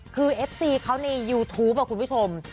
คือเอฟซีเขาในยูทูปคุณผู้ชม